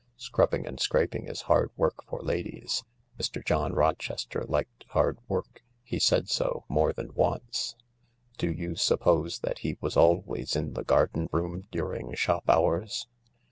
Scrubbing and scraping is hard work for ladies. Mr. John Rochester liked hard work ; he said so, more than once. Do not suppose that he was always in the garden room during shop hours.